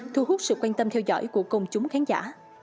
thu hút sự quan tâm theo dõi của công chúng khán giả